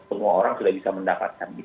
semua orang sudah bisa mendapatkan